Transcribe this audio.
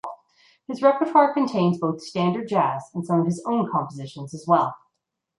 His repertoire contains both Standard Jazz and some of his own compositions as well.